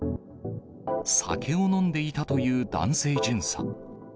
酒を飲んでいたという男性巡査。